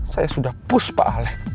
saya sudah push pak alek